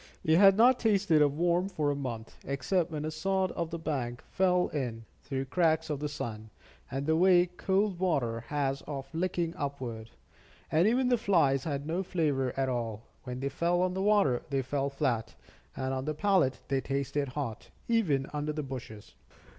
They had not tasted a worm for a month, except when a sod of the bank fell in, through cracks of the sun, and the way cold water has of licking upward. And even the flies had no flavor at all; when they fell on the water, they fell flat, and on the palate they tasted hot, even under the bushes.